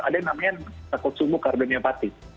ada yang namanya takut sumuh kardemiopati